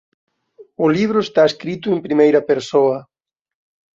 O libro está escrito en primeira persoa.